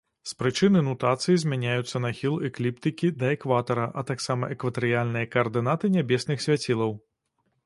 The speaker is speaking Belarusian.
З прычыны нутацыі змяняюцца нахіл экліптыкі да экватара, а таксама экватарыяльныя каардынаты нябесных свяцілаў.